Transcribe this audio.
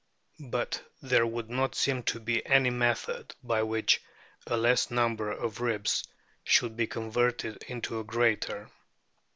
But there would not seern to be any method by which a less number of ribs should be converted into a greater.